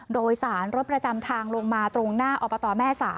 โดยสารรถประจำทางลงมาตรงหน้าอบตแม่๓